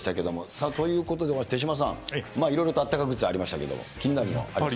さあ、ということで、手嶋さん、いろいろとあったかグッズありましたけれども、気になるのはありますか？